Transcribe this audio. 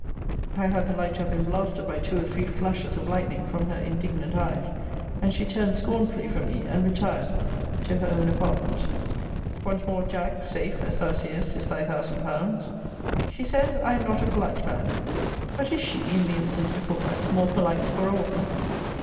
I had the like to have been blasted by two or three flashes of lightning from her indignant eyes; and she turned scornfully from me, and retired to her own apartment. Once more, Jack, safe, as thou seest, is thy thousand pounds. She says, I am not a polite man. But is she, in the instance before us, more polite for a woman?